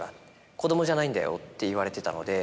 「子供じゃないんだよ」って言われてたので。